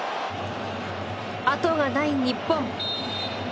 あとがない日本。